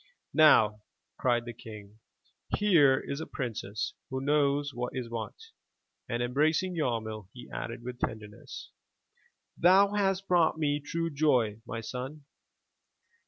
'*Now," cried the king, "here is a Princess who knows what is what," and embracing Yarmil, he added with tenderness: Thou hast brought me true joy, my son."